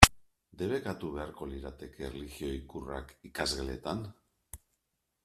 Debekatu beharko lirateke erlijio ikurrak ikasgeletan?